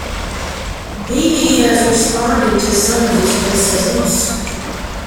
Behe has responded to some of these criticisms.